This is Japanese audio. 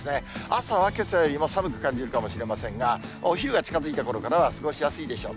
朝はけさよりも寒く感じるかもしれませんが、お昼が近づいたころからは、過ごしやすいでしょう。